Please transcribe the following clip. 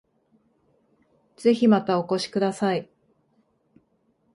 ぜひまたお越しください